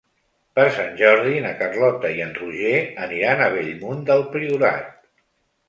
Per Sant Jordi na Carlota i en Roger aniran a Bellmunt del Priorat.